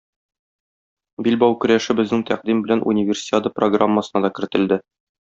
Билбау көрәше безнең тәкъдим белән Универсиада программасына да кертелде.